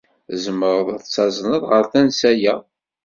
Tzemred ad t-tazned ɣer tansa-a?